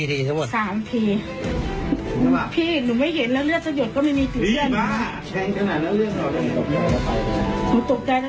ถ้านูไม่ตายตามแม่ไปเนี่ยหนูก็ต้องตายอยู่ดี